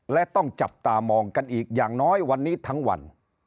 และต้องจับตามองกันอีกอย่างน้อยวันนี้ทั้งวัน